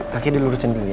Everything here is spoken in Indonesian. kakek dilurusin dulu ya